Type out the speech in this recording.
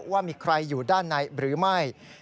ว่ามีใครอยู่ด้านในหรือไม่